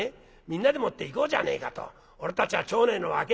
みんなでもって行こうじゃねえかと俺たちは町内の若えもんだ。